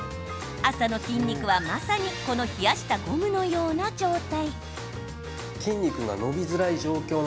朝の筋肉は、まさにこの冷やしたゴムのような状態。